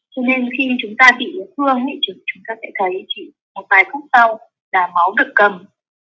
cho nên khi chúng ta bị yêu thương thì chúng ta sẽ thấy chỉ một vài phút sau là máu được cầm